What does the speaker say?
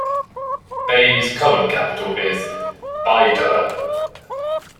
Bay's current capital is Baidoa.